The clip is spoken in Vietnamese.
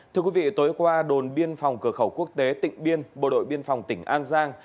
thưa quý vị tối qua đồn biên phòng cửa khẩu quốc tế tỉnh biên bộ đội biên phòng tỉnh an giang